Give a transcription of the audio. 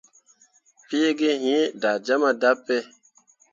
Piigi iŋ da jama dape.